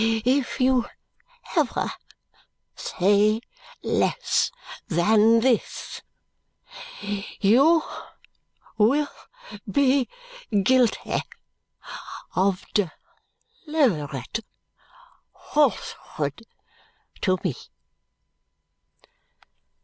If you ever say less than this, you will be guilty of deliberate falsehood to me."